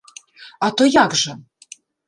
А то як жа.